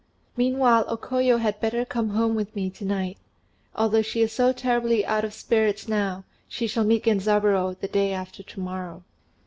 Meanwhile O Koyo had better come home with me to night: although she is so terribly out of spirits now, she shall meet Genzaburô the day after to morrow."